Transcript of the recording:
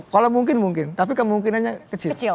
kalau mungkin mungkin tapi kemungkinannya kecil